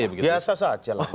biasa saja lah